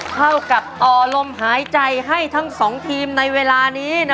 เท่ากับอารมณ์หายใจให้ทั้ง๒ทีมในเวลา